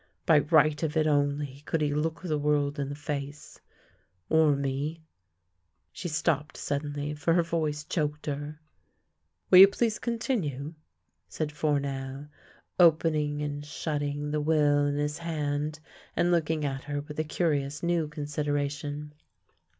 By right of it only could he look the world in the face — or me." She stopped suddenly, for her voice choked her. " Will you please continue? " said Fournel, opening and shutting the will in his hand, and looking at her with a curious new consideration.